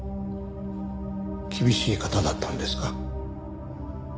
厳しい方だったんですか？